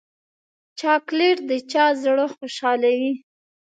چاکلېټ د چا زړه خوشحالوي.